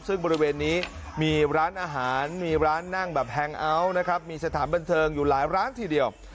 ซึ่งบริเวณนี้มีร้านอาหารมีร้านนั่งแบบแฮงเอาท์นะครับมีสถานบันเทิงอยู่หลายร้านทีเดียว